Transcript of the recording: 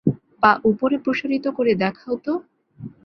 পা উপরে প্রসারিত করে দেখাও তো।